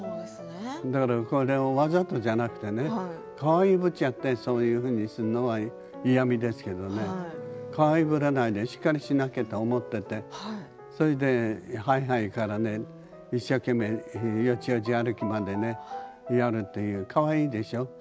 だからこれをわざとじゃなくてかわいいぶっちゃってそういうふうにするのは嫌みですけれどもかわいいぶらないでしっかりしなきゃと思っていてそれで、ハイハイから一生懸命よちよち歩きまでやるというのはかわいいでしょう。